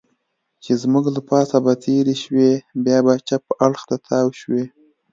چې زموږ له پاسه به تېرې شوې، بیا به چپ اړخ ته تاو شوې.